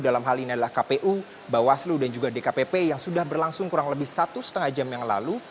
dalam hal ini adalah kpu bawaslu dan juga dkpp yang sudah berlangsung kurang lebih satu setengah jam yang lalu